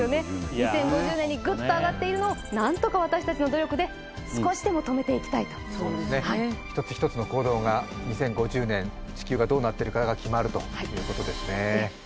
２０５０年にグッと上がっているのを何とか私たちの努力で少しでも止めていきたいとそうですね一つ一つの行動が２０５０年地球がどうなってるかが決まるということですね